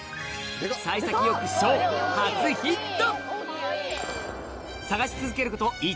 幸先よくしょう初ヒット！